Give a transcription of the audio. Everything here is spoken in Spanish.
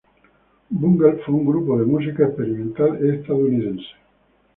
Bungle fue un grupo de música experimental estadounidense.